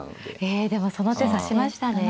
えでもその手指しましたね。